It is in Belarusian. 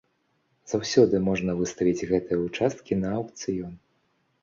Заўсёды можна выставіць гэтыя ўчасткі на аўкцыён.